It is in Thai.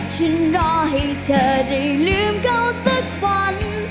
ฉันรอให้เธอได้ลืมเขาสักวัน